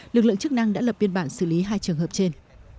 lực lượng chức năng đã lập biên bản xử lý hai trường hợp trên